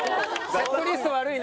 セットリスト悪い。